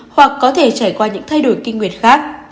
hoặc có thể trải qua những thay đổi kinh nguyệt khác